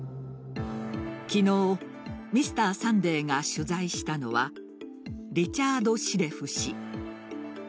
昨日「Ｍｒ．サンデー」が取材したのはリチャード・シレフ氏。